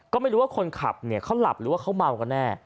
ก็ไม่รู้ว่าคนขับเนี่ยเขาหลับหรือว่าเขาเมากันแน่